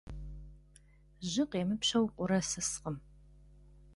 Жьы къемыпщэу къурэ сыскъым.